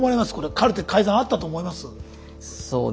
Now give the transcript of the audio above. カルテ改ざんあったと思います？